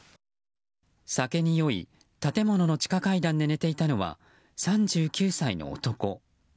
酒に酔い、建物の地下階段で寝ていたのは３９歳の男。